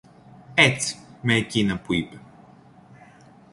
Έτσι, μ' εκείνα που είπε.